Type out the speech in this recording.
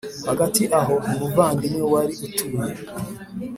Hagati aho umuvandimwe wari utuye